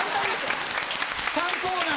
３コーナー